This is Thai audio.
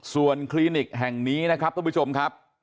ส่วนคลินิกแห่งนี้นะครับทุกผู้ชมครับ